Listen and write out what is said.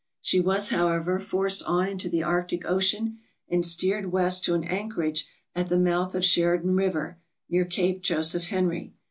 She was, however, forced on into the Arctic Ocean and steered west to an anchorage at the mouth of Sheridan River, near Cape Joseph Henry.